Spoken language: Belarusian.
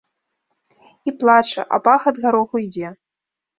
І плача, а пах ад гароху ідзе.